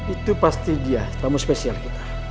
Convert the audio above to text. itu pasti dia tamu spesial kita